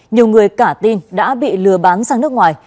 nhiều người cả tin đã bị lừa bán sang nước ngoài